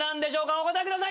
お答えください。